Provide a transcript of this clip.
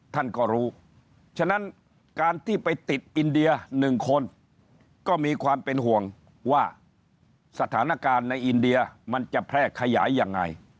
ท่านก็รู้ฉะนั้นการที่ไปติดอินเดีย๑คนก็มีความเป็นห่วงว่าสถานการณ์ในอินเดียมันจะแพร่ขยายยังไง